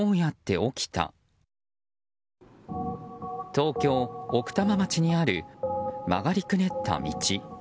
東京・奥多摩町にある曲がりくねった道。